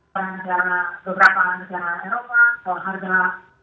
dan menjadi kejelasan kejelasan di pemerintah